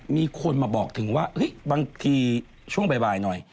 มีคนมาบอกถึงว่าบางทีช่วงบ่ายหน่อย